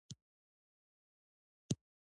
اوښ د افغانستان د موسم د بدلون سبب کېږي.